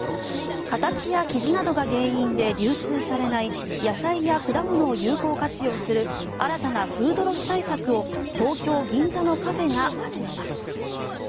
形や傷などが原因で流通されない野菜や果物を有効活用する新たなフードロス対策を東京・銀座のカフェが始めます。